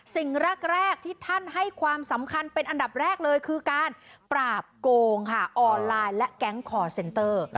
สิ่งแรกที่ท่านให้ความสำคัญเป็นอันดับแรกเลยคือการปราบโกงค่ะออนไลน์และแก๊งคอร์เซนเตอร์